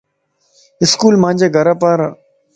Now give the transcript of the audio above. اسڪول مانجي گھر پار